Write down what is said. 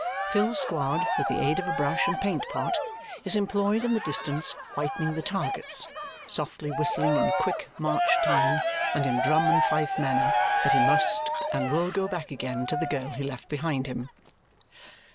Phil Squod, with the aid of a brush and paint pot, is employed in the distance whitening the targets, softly whistling in quick march time and in drum and fife manner that he must and will go back again to the girl he left behind him.